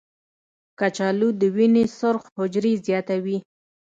کچالو د وینې سرخ حجرې زیاتوي.